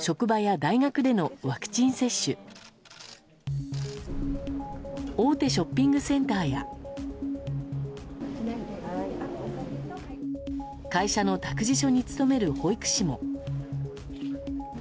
大手ショッピングセンターや会社の託児所に勤める保育士も。